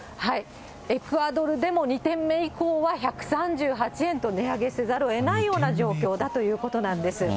エクアドルでも、２点目以降は１３８円と値上げせざるをえないような状況だということなんです。